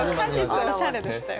「果実」おしゃれでしたよ。